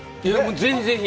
ぜひぜひ。